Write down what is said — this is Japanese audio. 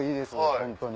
本当に。